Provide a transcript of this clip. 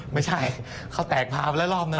ไม่ใช่เขาแตกภาพละรอบนึงนะ